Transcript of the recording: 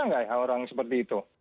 nggak orang seperti itu